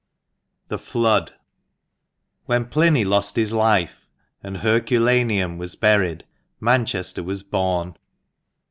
THE FLOOD. HEN Pliny lost his life, and Herculaneum was buried, Manchester was born.